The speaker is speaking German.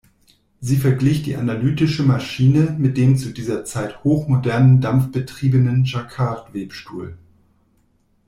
Sie verglich die „analytische Maschine“ mit dem zu dieser Zeit hochmodernen dampfbetriebenen Jacquard-Webstuhl.